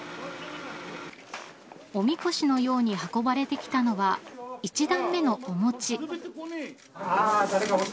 おみこしのように運ばれてきたのは１段目のお餅。